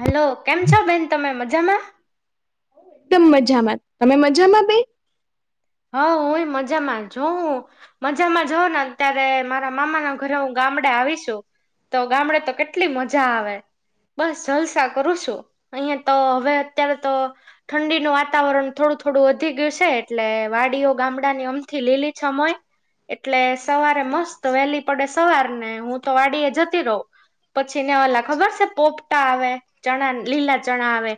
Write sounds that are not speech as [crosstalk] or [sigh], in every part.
Hello કેમ છો બેન તમે મજામાં? એકદમ મજામાં તમે મજામાં બે? હ હું એ મજામાં જો હું મજામાં જઉ ને ત્યારે મારા મામા ના ઘરે હું ગામડે આવીશું. તો ગામડે તો કેટલી મજા આવે. બસ જલસા કરું છું અહીયાંયા તો હવે અત્યારે તો ઠંડીનું વાતાવરણ થોડું થોડું વધી ગયું છે એટલે વાડીઓ ગામડા ની અમથી લીલી છમ હોય. એટલે સવારે મસ્ત વહેલી પડે સવાર ને હું તો વાડી એ જતી રહું. પછી ને ઓલા ખબર છે પોપટા આવે ચણા લીલા ચણા આવે.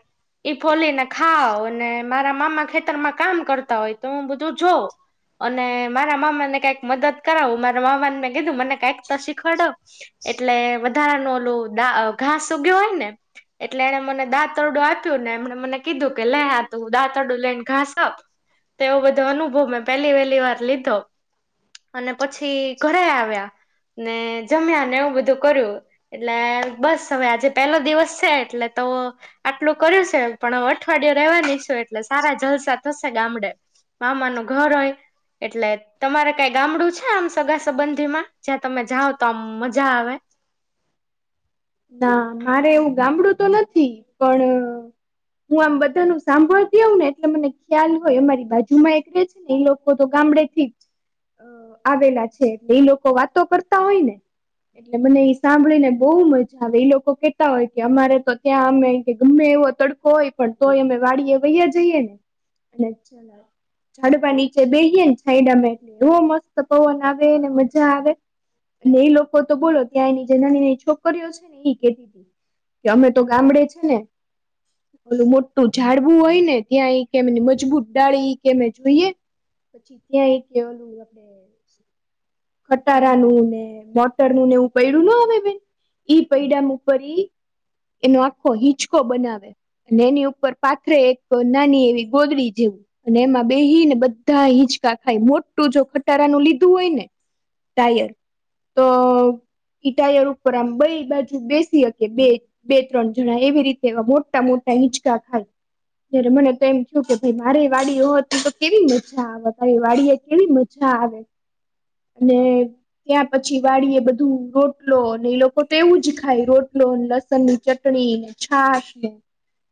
ઈ ફોલીને ખાવ અને મારા મામા ખેતરમાં કામ કરતા હોય તો હું બધું જોઉં અને મારા મામાને કઈક મદદ કરાવું મારા મામાને મેં કીધું મને કઈક તો શીખવડાઓ. એટલે વધારા ન ઓલું દા અહ ઘાસ ઉગયો હોય ને એટલે એને મને દાંતરડું આપ્યું ને એમને મને કીધું કે લે હા ત દાંતરડું લઈને ઘાસ આપ તેવો બધો અનુભવ મેં પેલી વહેલી વાર લીધો અને પછી ઘરે આવ્યા ને જમ્યા ને એવું બધું કર્યું. એટલે બસ હવે આજે પેલો દિવસ છે એટલે તો આટલું કર્યું છે પણ હવે અઠવાડયે રેવાની છું એટલે સારા જલસા થશે ગામડે. મામા નું ઘર હોય એટલે તમારે કઈ ગામડું છે આમ સગા સંબંધી માં જ્યાં તમે જાઓ તો આમ મજા આવે? ના મારે એવું ગામડું તો નથી પણ અહ હું આમ બધા ન સાંભળતી આવઉં ને એટલે મને ખ્યાલ હોય એ મારી બાજુ માં એક ર જ એ લોકો તો ગામડે થી જ આવેલા છેટલે એ લોકો વાતો કરતા હોય ને એટલે મને એ સાંભળી ને બહુ મજ ચાવે એ લોકો કેતા હોય કે અમારે તો ત્યાં અમે કે ગમે એવો તડકો હોય પણ તોય અમે વાડીએ વૈયા જઈએ ને અને ચલા ઝડપા નીચે બેહીએ ને છાઈડા માએ એવો મસ્ત પવન આવે એને મજા આવે નઈ લોકો તો બોલો ત્યાં એની જનાની છોકરીઓ છ ને એ ખેતી કે અમે તો ગામડે છે ને ઓલું મોટું ઝાડવું હોય ને ત્યાં કેમની મજબૂત ડાળી કેમે જોઈએ. પછી ત્યાં એક એ ઓલું આપડે કટારા નું ને મોટર નું ને એવું પૈડું ના આવે બેન ઈ પૈડામ ઉપર ઈ એનો આખો હિંચકો બનાવે. અને એની ઉપર પાથરે એક નાની એવી ગોદડી જેવું અને એમાં બેહી ને બધા હિંચકા ખાય મોટું જો ખટારાનું લીધું હોય ને ટાયર તો ઈ ટાયર ઉપર આમ બેઈ બા એ બેસીકે બે બે ત્રણ જણા એવી રીતે મોટા મોટા હીંચકા ખાય જયારે મને તો એમ થયું કે ભાઈ મારી વાડી હો હતી તો કેવી મજા આવેારી વાડી એ કેવી મ જા આવે. અને ત્યાં પછી વાળ એ બધું રોટલો ને એ લોકો તો એવું જ ખાય રોટલો લસણની ચટણી ને છાછ ને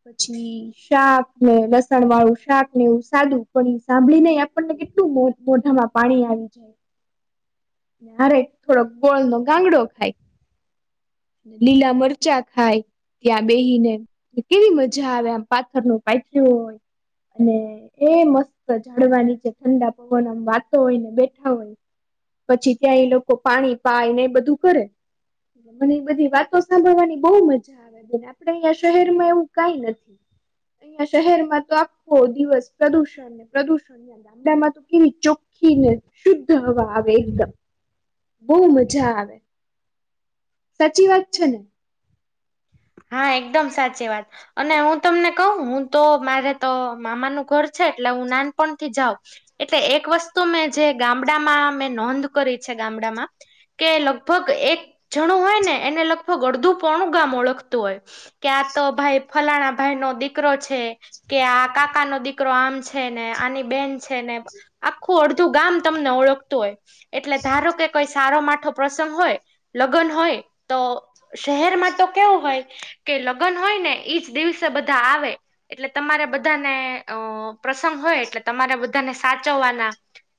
પછી શાક ને લસણ વાળું શાક ને એવું સાદું પણ એ સાંભળી નહીં આપણને કેટલું મો મોઢામાં પાણી આવી જાય. ને હારેક થોડોક ગોળ નો ગાંગડો ખાય. લીલા મરચા ખાય. ત્યાં બેહી ને કેવી મજા આવે આમ પાથરનુ પાથર્યું હોય. અને એ મસ્ત ઝડવા નીચે ઠંડા પવનમાં વાતો હોય ને બેઠા હોય. પછી ત્યાં એ લોકો પાણી પાય ને એ બધું કરે. મને એ બધી વાતો સાંભળવાની બોઉ મજા [unintelligible] આપડે અહીંયા શહેરમાં એવું કાઈ નથી. ને આ શહેરમાં તો આખો દિવસ પ્રદુષણને પ્રદુષણ અને ગામડામાં તો કેવી ચોખ્ખી ને શુધ જ હવા આવે એકદમ બોઉ મજા આવે. સાચી વાત છે ને? હા, એકદમ સાચી વાત. અને હું તમને કઉ હું તો મારે તો મામાનું ઘર છે એટલે હું નાનપણથી જાઉં‌ એટલે એક વસ્તુ મે જે ગામડામાં મે નોંધ કરી છે ગામડામાં કે લગભગ એક જણું હોય ને એને લગભગ અડધું પોણું ગામ ઓળખ તું હોય કે આ તો ભાઈ ફલાણા ભાઈ નો દીકરો છે કે આ કાકાનો દીકરો આમ છે ને આની બેન છે ને આખું અડધું ગામ તમને ઓળખતું હોય. એટલે ધારો કે કશ સારો માઠો પ્રસંગ હોય લગન હોય તો શહેરમાં તો કેવું હોય કે લગન હોય ને એજ દિવસે બધા આવે એટલે તમારે બધાને ઓ પ્રસંગ હોય એટલે તમારે બધાને સાચવવાના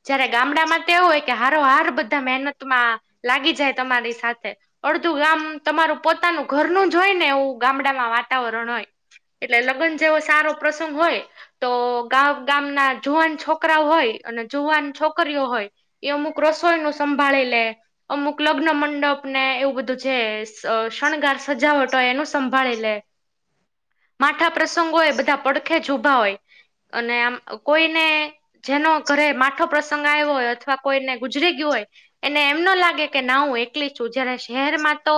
જ્યારે ગામડામાં તો એવું હોય કે હારો હાર બધા મહેનતમાં લાગી જાય તમારી સાથે. અડધું ગામ તમારું પોતાનું ઘરનું જ હોય ને એવું ગામડામાં વાતાવરણ હોય. એટલે લગન જેવો સારો પ્રસંગ હોય તો ગામ ગામના જુવાન છોકરાઓ હોય અને જુવાન છોકરીઓ હોય એ અમુક રસોઈનું સંભાળી લે અમુક લગ્ન મંડપ ને એવું બધું જે અહ શણગાર સજાવટ તો એનું સંભાળી લે. માઠા પ્રસંગો એ બધા પડખે જ ઉભા હોય. અને આમ કોઈને જેનો ઘરે માઠો પ્રસંગ આવ્યો હોય. અથવા કોઈને ગુજરી ગયો હોય. એને એમ ન લાગે કે ના હું એકલી છું. જ્યારે શહેરમાં તો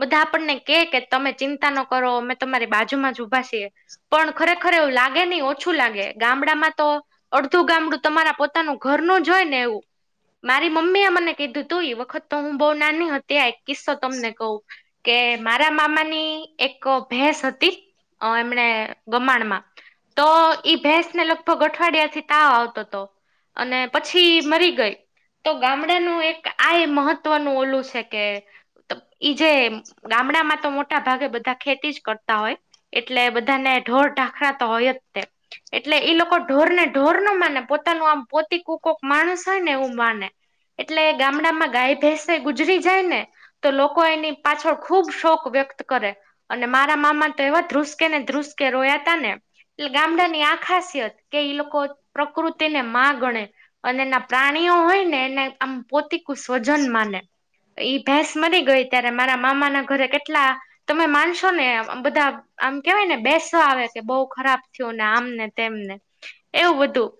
બધા આપણને કે તમે ચિંતા ન કરો અમે તમારી બાજુમાં જ ઊભા છીએ. પણ ખરેખર એવું લાગે નહીં ઓછું લાગે. ગામડામાં તો અડધું ગામડું તમારા પોતાનું ઘરનું જ હોય ને એવું. મારી મમ્મી એ મને કીધું હતું એ વખત તો હું બઉ નાની હતી આ એક કિસ્સો તમને કઉ કે મારા મામા ની એક ભેસ હતી. અ એમને ગમાણમાં. તો ઈ ભેંસ ને લગભગ અઠવાડિયાથી તાવ આવતો હતો. અને પછી મરી ગઈ. તો ગામડાનું એક આ એ મહત્વનું ઓલું છે કે ઈ જે ગામડામાં તો મોટા મોટા ભાગે બધા ખેતી જ કરતા હોય. એટલે બધાને ઢોર ઢાંખરા તો હોય જ તે એટલે ઈ લોકો ઢોર ને ઢોર ન માને પોતાનું આમ પોતી કોક કોક માણસ હોય ને એવું માને. એટલે ગામડામાં ગાય, ભેસે ગુજરી જાય ને તો લોકો એની પાછળ ખુબ શોખ વ્યક્ત કરે. અને મારા મામા તો એવા ધ્રુસકે ને ધ્રુસકે રોયા કરતાને એટલે ગામડાની આ ખાસિયત કે ઈ લોકો પ્રકૃતિને માં ગણે. અને એના પ્રાણીઓ હોય ને એને આમ પોતી સ્વજન માને. ઈ ભેંસ મરી ગઈ ત્યારે મારા મામા ના ઘરે કેટલા તમે માનશો નઈ એમ બધા આમ કેવાય ને બેસવા આવે કે બહુ ખરાબ થયું ને આમ ને તેમ ને. એવું બધું.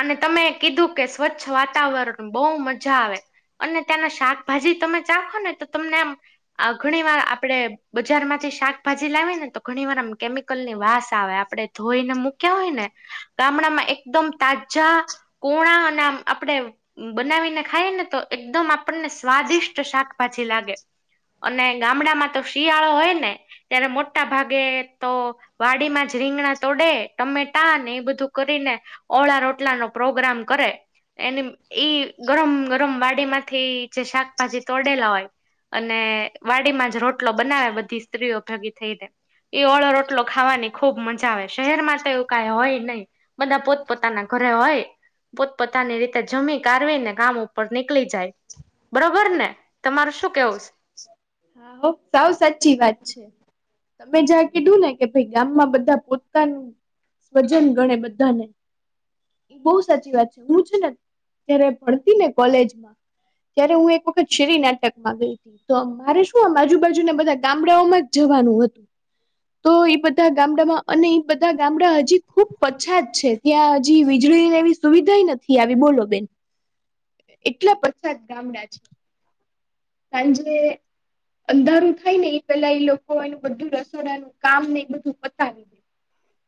અને તમે કીધું કે સ્વચ્છ વાતાવરણ બહુ મજા આવે. અને ત્યાંના શાકભાજી તમે ચાખો ને તો તમને આમ. ઘણી વાર આપડે બજાર માંથી શાકભાજી લાવી ને તો. ઘણી વાર આમ કેમિકલ ની વાસ આવે આપણે ધોઈને મૂક્યા હોય ને. ગામડા માં એકદમ તાજા કોણા અને આમ આપડે બનાવીને ખાય ને તો એકદમ. આપણને સ્વાદિષ્ટ શાકભાજી લાગે અને ગામડામાં તો શિયાળો હોય ને. ત્યારે મોટા ભાગે તો. વાડીમાં જ રીંગણા તોડે ટમેટા ને એ બધું કરીને. ઓળા રોટલા નો પ્રોગ્રામ કરે એની ઈ ગરમ ગરમ વાડી માંથી જે શાકભાજી તોડેલા હોય. અને વાડીમાં જ રોટલો બનાવે બધી સ્ત્રીઓ ભેગી થઈને. એ ઓળો રોટલો ખાવાની ખુબ મજા આવે શહેર માં તો એવું કઈ હોય નહી. બધા પોત પોતાના ઘરે હોય. પોતપોતાની રીતે જમી કારવી ને કામ ઉપર નીકળી જાય બરોબર ને. તમારું શું કેવું છે. હો સાવ સાચી વાત છે તમે જ્યાંરે કીધું ને કે ભાઈ ગામમાં બધા પોતાનું સ્વજન ગણે બધાને. એ બહુ સાચી વાત છે હું છે ને જયારે ભણતી ને કોલેજમાં. ત્યારે હું એક વખત શેરી નાટક. માં રય તો મારે શું આમ બાજુ બાજુના બધા ગામડાઓમાં જ જવાનું હતું. તો એ બધા ગામડામાં અને એ બધા ગામડા હજી ખુબ પછાત છે. ત્યાં હજી વીજળી ને એવી સુવિધા નથી આવી બોલો બેન. એટલા પછાદ ગામડા છે સાંજે. અંધારું થાય ને એ પેલા એ લોકો એનું બધું રસોડાનું કામ ને એ બધું પતાવી દે.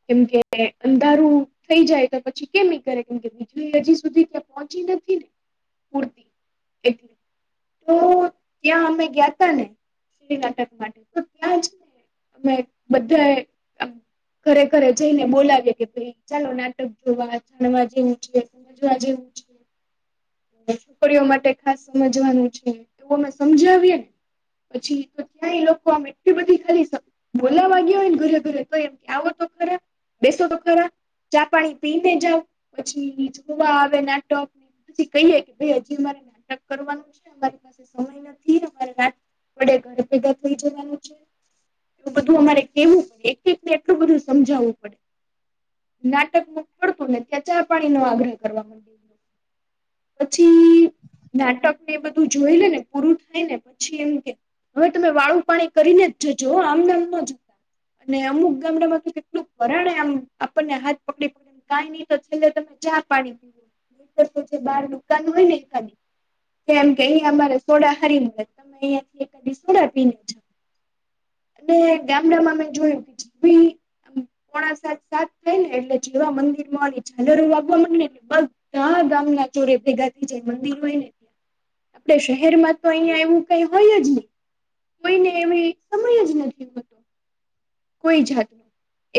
કેમ કે અંધારું. થઈ જાય તો પછી કેમી કરે કેમ કે વીજળી હજી સુધી ત્યાં પહોંચી નથી ને. પુરતી એ. તો ત્યાં અમે ગયા ત ને શ નાટક માટે તો ત્યાં જ ને. અ બધા. ઘરે ઘરે જઈને બોલાવી કે ભાઈ ચાલો નાટક જોવા નવા જેવું છે. જું આજે એવું. છોકરીઓ માટે ખાસ સમજવાનું છે એવું અમે સમજાવીએ ને. પછી તો ત્યાં એ લોકો આમ એટલી બધી ખાલી શકે. બોલાવાગયા હોય ને ઘરે ઘરે તો એમ આવો તો ખરા. બેસો તો ખરા ચા પાણી પી ને જાવ પછી જોવા આવે નાટક. કહીએે કે ભાઈ હજી મારે નાટક કરવાનું છે અમારી પાસે સમય નથી અમારે નાટ. વડે ઘર ભેગા થઈ જવાનું છે.. તો બધું અમારે કેવું પડે એક એક ને એટલું બધું સમજાવવું પડે. નાટક ન પડતું ને ખેચા પાણી નો આગ્રહ કરવા માંડ. પછી નાટકને એ બધું જોઈ લે ને પૂરું થાય ને પછી એમ કે. હવે તમે વાળું પાણી કરીને જ જજો આમનેમમાં જ. અનેને અમુક ગામડામાં કેટલું ભરાણે આમ આપણને હાથ પકડી પકડી. કઈ નઈ તો છેલ્લે તમે ચા પાડી દીધો ર તો જે બાર દુકનું હોય ને એ ખાલી. કેમ કે અહીયા અમારે સોડા હરીને તમે અહિયાં થી એકધી સોડા પીને છો. અને ડામડેમમાં મેં જોયું ભી. પોણા સાત સાત થાય ને એટલે જેવા મંદિર માં ઝાલરો વાગવા માં ને એટલે બગ. હા ગામ ના ચોરે ભેગા થી જાય મંદિર હોય ને તે અ શહેરમાં તો અહીંયા એવું કઈ હોય જ નને કોઈને એવી સમય જ નથી હોતો કોઈ જાતનો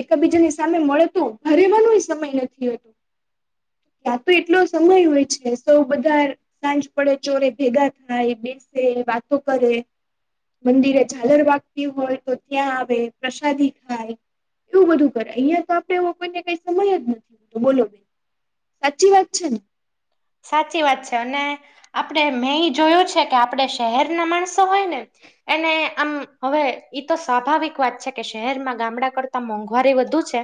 એકબીજાની સામે મળતો હરેવાનો સમય નથીતો યા તો એટલો સમય હોય છે સૌ બધા સાંજ પડે ચોરે ભેગા થાય બેસે વાતો કરે મંદિરે ઝાલર વાગતી હોય તો ત્યાં આવે પ્રસાદી ખાય એવું બધું કરે અહિયાં તો આપડેવો કોઈને કઈ સમય જ નથી હોતો બોલો ભાઈ કચી વાત છેન સાચી વાત છે અને આપણેે મેં એ જોયું છે કે આપણે શહેર ના માણસો હોય ને એને આમ હવે તો સ્વાભાવિક વાત છે કે શહેરમાં ગામડા કરતા મોંઘવારી વધુ છે.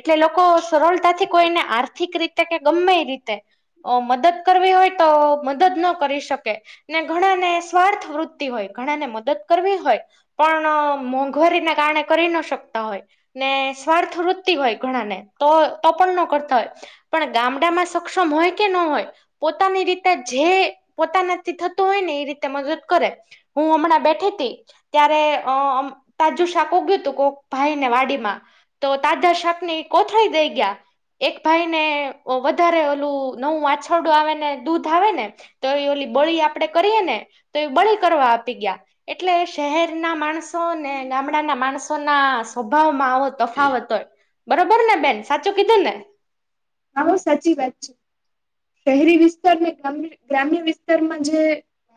એટલે લોકો સરળતાથી કોઈને આર્થિક રીતે કે ગમે રીતે મદદ કરવી હોય તો મદદ ન કરી શકે ને ઘણા ને સ્વાર્થ વૃતિ હોય ઘણા ને મદદ કરવી હોય પણ મોંઘવારીને કારણે કરી ના શકતા હોય ને સ્વાર્થવૃત્તિ હોય ઘણાને તો તો પણ ન કરતા હોય પણ ગામડા માં સક્ષમ હોય ન હોય પોતાની રીતે જે પોતાનાથી થતો હોય ને એ રીતે મદદ કરે હું હમણાં બેઠી હતી ત્યારે અમ તાજુ શાકગયું તું કો ભાઈ ને વાડીમાં તો તાદા શાક ની કોથળી દઈ ગયા એક ભાઈ ને વધારે ઓલું નવું વાછરડું આવે ને દૂધ આવે ને તો એ ઓલી બળી આપડે કરીએ ને તો એ બળી કરવા આપી ગયા એટલે શહેર ના માણસ ને ગામડાના માણસો ના સ્વભાવમાં આવો તફાવત હોય બરોબર ને બેન સાચું કીધું ને હા સાચી વાત છે શહેરી વિસ્તાર ને ગ ગ્રામ્ય વિસ્તારમાં જે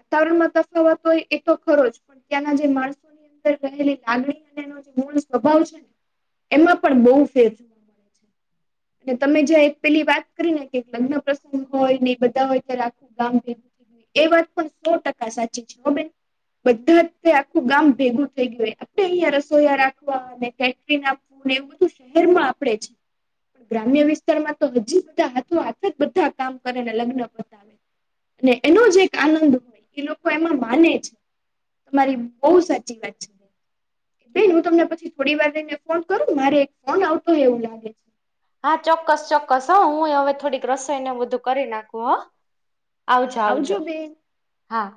વાતાવરણમાં તફાવતો હોય એ તો ખરો જ પણ ત્યાંના જે માણસો રહેલી લાગણી અને એ જે મૂળ સ્વભાવ છે ને એમાં પણ બહુ ફેર મળે છે અને તમે જ્યાં એક પેલી વાત કરીને કે લગ્ન પ્રસંગ હોય ને બધા હોય ત્યારે આખું ગામ એ વાત પણ સો ટકા સાચી છે હો બેન બધા જ તે આખું ગામ ભેગું થઈ ગયું આપડે અહિયા રસોઈયા રાખવા અને કેટરીન એ બધું શહેરમાં આપણેે છે પણ ગ્રામ્ય વિસ્તારમાં તો હજી બધા હાથો બધા કામ કરે ને લગ્ન પતાવે અને એનો જ એક આનંદ હોય એ લોકો એમાં માને છે તમારી બહુ સાચી વાત છે બેન હું તમને પછી થોડી વાર જઈને ફોન કરું મારે એક ફોન આવતો હોય એવું લાગે છે હા ચોક્કસ ચોક્કસ હો હું હવે થોડીક રસોઈને બધું કરી નાખું હો આવજો આવજો હા